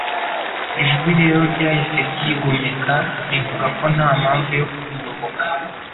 Ijwi rero ryahise ryigomeka, rivuga ko nta mpamvu yo kuruyoboka